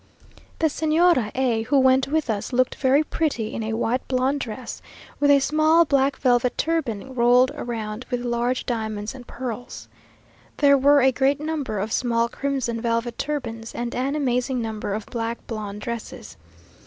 The Señora A , who went with us, looked very pretty in a white blonde dress, with a small black velvet turban rolled round with large diamonds and pearls. There were a great number of small crimson velvet turbans, and an amazing number of black blonde dresses.